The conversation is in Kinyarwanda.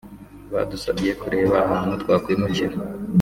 Badusabye kureba ahantu twakwimukira